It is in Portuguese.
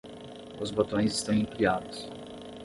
Os botões estão empilhados.